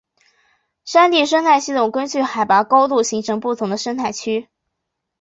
山地生态系统根据海拔高度形成不同的生态区。